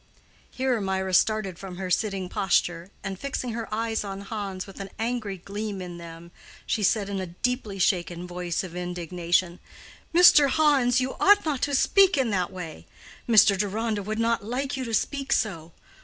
Here Mirah started from her sitting posture, and fixing her eyes on Hans, with an angry gleam in them, she said, in a deeply shaken voice of indignation, "Mr. Hans, you ought not to speak in that way. Mr. Deronda would not like you to speak so.